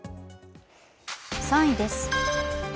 ３位です。